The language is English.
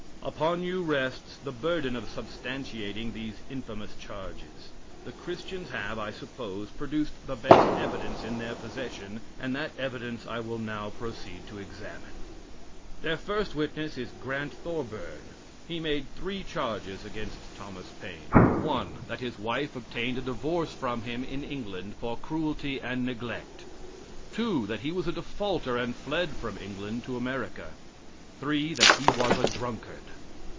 Upon you rests the burden of substantiating these infamous charges. The Christians have, I suppose, produced the best evidence in their possession, and that evidence I will now proceed to examine. Their first witness is Grant Thorburn. He made three charges against Thomas Paine: 1. That his wife obtained a divorce from him in England for cruelty and neglect. 2. That he was a defaulter and fled from England to America. 3. That he was a drunkard.